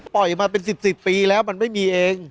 ปล่อยมาเป็นสิบปีแล้วมันไม่มีเอง